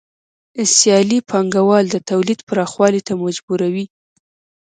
سیالي پانګوال د تولید پراخوالي ته مجبوروي